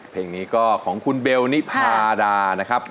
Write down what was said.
เพลงนี้ก็ของคุณเบลนิพาดานะครับ